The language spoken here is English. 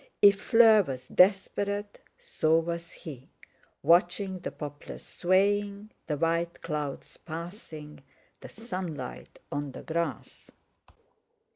If Fleur was desperate, so was he—watching the poplars swaying, the white clouds passing, the sunlight on the grass.